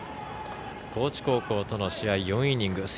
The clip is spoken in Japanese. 高知高校との試合４イニング。